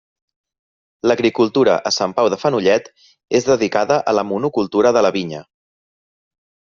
L'agricultura a Sant Pau de Fenollet és dedicada a la monocultura de la vinya.